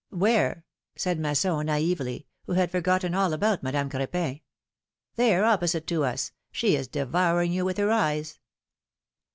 ^^ Where ? said Masson, naively, who had forgotten all about Madame Cr6pin. There, opposite to us ; she is devouring you with her eyes